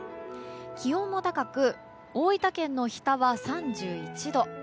気温も高く大分県の日田は３１度。